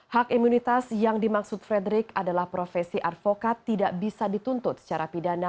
hak imunitas yang dimaksud frederick adalah profesi advokat tidak bisa dituntut secara pidana